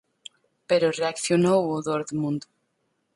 Pero reaccionou o Dortmund.